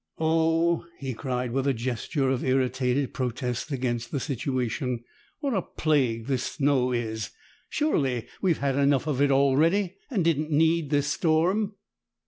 Oh!" he cried, with a gesture of irritated protest against the situation, "what a plague this snow is! Surely we had enough of it already, and didn't need this storm."